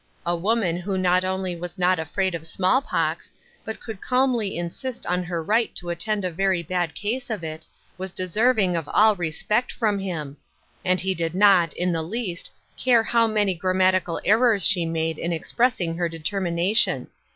A woman who not only was not afraid of small pox, but could calmly insist on her right to attend a very bad case of it, was deserving of all respect from him ; and he did not, in the least, care how many grammatical errors she made in expressing her determination.